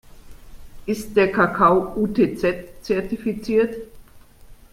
Ist der Kakao UTZ-zertifiziert?